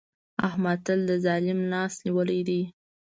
احمد تل د ظالم لاس نيولی دی.